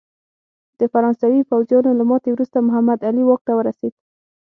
د فرانسوي پوځیانو له ماتې وروسته محمد علي واک ته ورسېد.